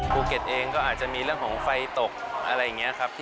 ภูเก็ตเองก็อาจจะมีเรื่องของไฟตกอะไรอย่างนี้ครับ